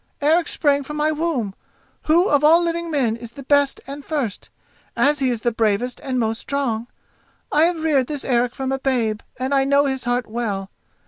Eric sprang from my womb, who of all living men is the best and first, as he is the bravest and most strong. I have reared this Eric from a babe and I know his heart well.